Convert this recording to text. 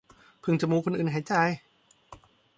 พึ่งจมูกคนอื่นหายใจ